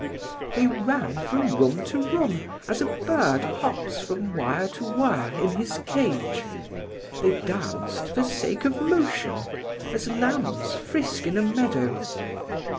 They ran from room to room, as a bird hops from wire to wire in his cage. They danced for the sake of motion, as lambs frisk in a meadow.